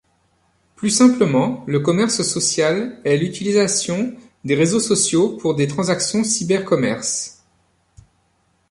Plus simplement, le commerce social est l’utilisation des réseaux sociaux pour des transactions cybercommerce.